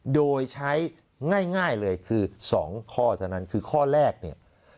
โดยใช้ง่ายเลยคือ๒ข้อเท่านั้นคือข้อแรกเนี่ย